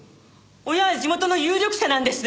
親は地元の有力者なんです。